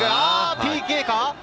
ＰＫか？